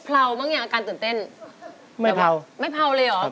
เพลงที่เจ็ดเพลงที่แปดแล้วมันจะบีบหัวใจมากกว่านี้